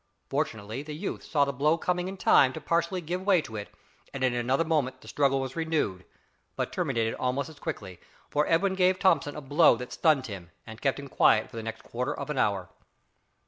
Fortunately the youth saw the coming blow in time to partially give way to it, and in another moment the struggle was renewed, but terminated almost as quickly, for Edwin gave Thomson a blow that stunned him and kept him quiet for the next quarter of an hour.